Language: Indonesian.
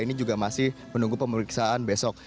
ini juga masih menunggu pemeriksaan besok